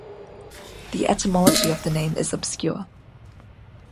The etymology of the name is obscure.